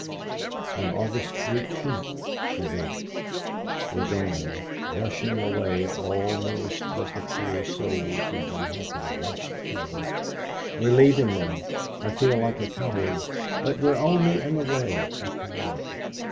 On August 18th she wrote: "We're going, rushing away almost as the poor souls we've been helping rushed here. We're leaving them I feel like a coward, but we're only in the way, after all.